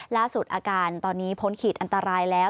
ล่าสุดอาการตอนนี้พ้นขีดอันตรายแล้ว